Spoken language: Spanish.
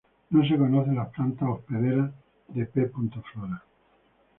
No se conocen las plantas hospederas de "P. flora".